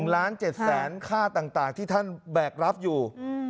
๑ล้าน๗แสนค่าต่างที่ท่านแบกรับอยู่